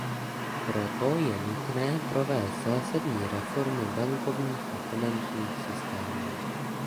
Proto je nutné provést zásadní reformy bankovních a finančních systémů.